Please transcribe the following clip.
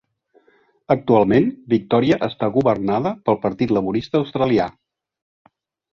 Actualment Victoria està governada pel Partit Laborista Australià.